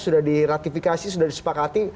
sudah diratifikasi sudah disepakati